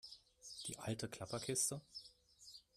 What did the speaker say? Die alte Klapperkiste?